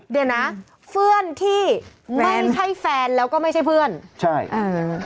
เดี๋ยวนะเพื่อนที่ไม่ใช่แฟนแล้วก็ไม่ใช่เพื่อนใช่อ่า